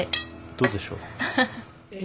どうでしょう。